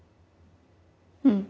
うん。